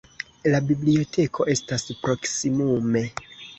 La biblioteko estas proksimume.